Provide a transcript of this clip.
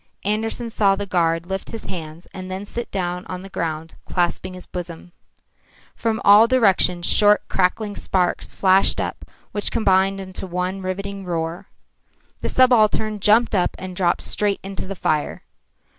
Andersen saw the guard lift his hands and then sit down on the ground clasping his bosom. From all directions short, crackling sparks flashed up which combined into one riving roar. The subaltern jumped up and dropped straight into the fire.